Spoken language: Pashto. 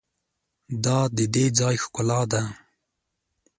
دا د دې ځای ښکلا ده.